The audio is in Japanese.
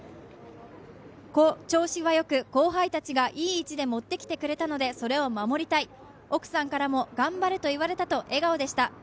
調子はよく後輩たちがいい位置で持ってきてくれたのでそれを守りたい、奥さんからも頑張れと言われたと笑顔でした。